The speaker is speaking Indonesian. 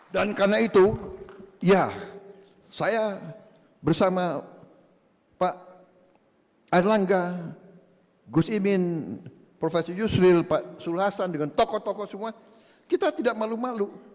dan karena itu ya saya bersama pak erlangga gus imin profesor yusril pak sul hasan dengan tokoh tokoh semua kita tidak malu malu